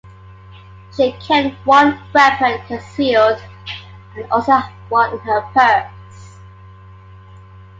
She carried one weapon concealed and also had one in her purse.